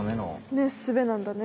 ねっすべなんだね。